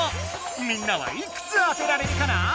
みんなはいくつ当てられるかな？